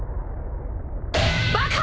バカ！